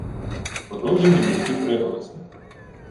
Подовжені м'які приголосні